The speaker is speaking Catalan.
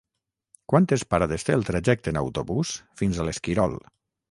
Quantes parades té el trajecte en autobús fins a l'Esquirol?